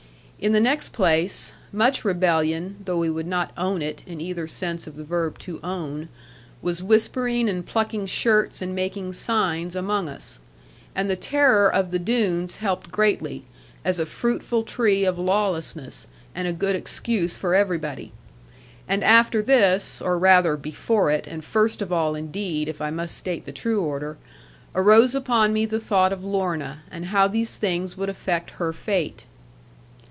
In the next place, much rebellion (though we would not own it; in either sense of the verb, to 'own') was whispering, and plucking skirts, and making signs, among us. And the terror of the Doones helped greatly; as a fruitful tree of lawlessness, and a good excuse for everybody. And after this or rather before it, and first of all indeed (if I must state the true order) arose upon me the thought of Lorna, and how these things would affect her fate.